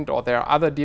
được chuẩn bị